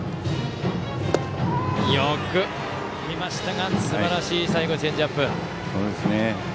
よく見ましたがすばらしいチェンジアップ。